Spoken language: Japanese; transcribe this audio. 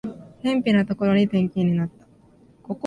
辺ぴなところに転勤になった